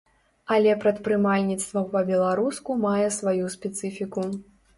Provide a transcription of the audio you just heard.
Але прадпрымальніцтва па-беларуску мае сваю спецыфіку.